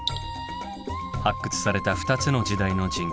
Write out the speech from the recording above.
発掘された２つの時代の人骨。